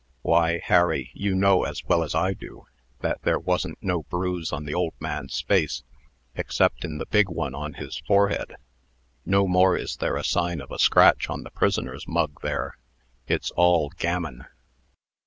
Why, Harry, you know, as well as I do, that there wasn't no bruise on the old man's face, exceptin' the big one on his forehead. No more is there a sign of a scratch on the prisoner's mug there. It's all gammon."